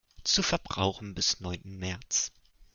Zu Verbrauchen bis neunten März.